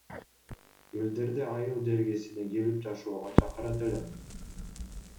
Элдерди айыл жергесине келип жашоого чакырат элем.